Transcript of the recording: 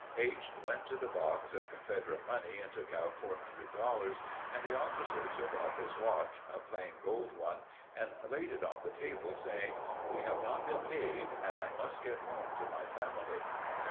H. went to the box of Confederate money and took out four hundred dollars, and the officer took off his watch, a plain gold one, and laid it on the table, saying, "We have not been paid, and I must get home to my family."